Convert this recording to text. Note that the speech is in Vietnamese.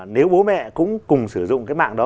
nếu bố mẹ cũng cùng sử dụng cái mạng đó